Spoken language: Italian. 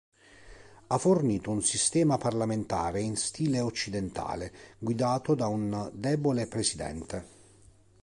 Ha fornito un sistema parlamentare in stile occidentale guidato da un debole presidente.